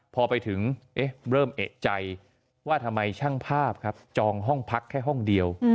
พอไปถึงเริ่มเอกใจว่าทำไมช่างภาพครับจองห้องพักแค่ห้องเดียว